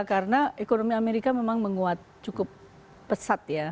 karena ekonomi amerika memang menguat cukup pesat ya